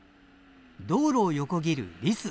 道路を横切るリス。